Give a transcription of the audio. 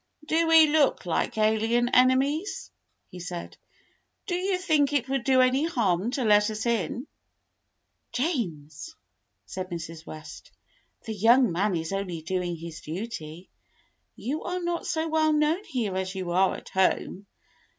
"Do we look like alien enemies.^" he said. "Do you think it would do any harm to let us in.^" "James," said Mrs. West, "the young man is only doing his duty. You are not so well known here as you are at home.